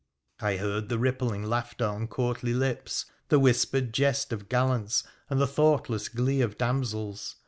I heard the rippling laughter on courtly lips, the whispered jest of gallants, and the thoughtless glee of damsels.